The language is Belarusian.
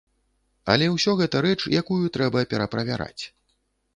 Але ўсё гэта рэч, якую трэба пераправяраць.